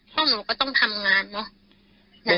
เพราะหนูก็ต้องทำงานเนาะ